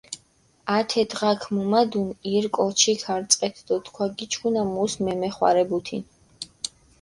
ათე დღაქ მუმადუნ ირ კოჩი ქარწყეთ დო თქვა გიჩქუნა, მუს მემეხვარებუთინ.